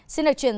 xin được truyền